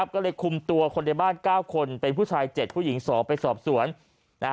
ก็เลยคุมตัวคนในบ้าน๙คนเป็นผู้ชาย๗ผู้หญิง๒ไปสอบสวน